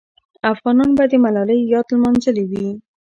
افغانان به د ملالۍ یاد لمانځلې وي.